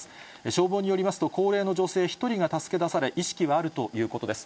消防によりますと、高齢の女性１人が助け出され、意識はあるということです。